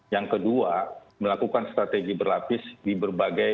yang kedua melakukan strategi berlapis di berbagai